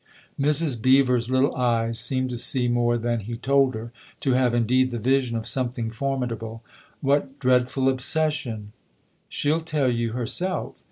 Mrs. Beever's little eyes seemed to see more than he told her, to have indeed the vision of something formidable. " What dreadful obsession ?" "She'll tell you herself."